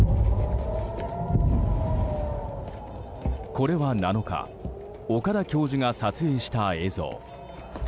これは７日岡田教授が撮影した映像。